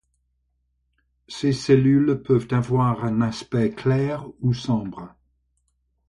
Ces cellules peuvent avoir un aspect clair ou sombre.